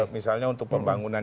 misalnya untuk pembangunan